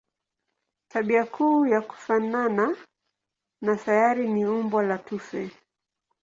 Tabia kuu ya kufanana na sayari ni umbo la tufe.